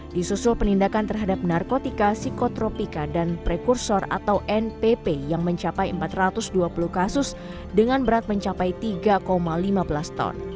disusul penindakan terhadap narkotika psikotropika dan prekursor atau npp yang mencapai empat ratus dua puluh kasus dengan berat mencapai tiga lima belas ton